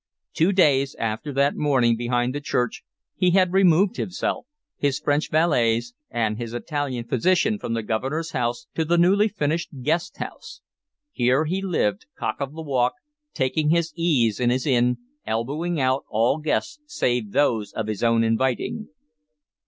Two days after that morning behind the church, he had removed himself, his French valets, and his Italian physician from the Governor's house to the newly finished guest house. Here he lived, cock of the walk, taking his ease in his inn, elbowing out all guests save those of his own inviting.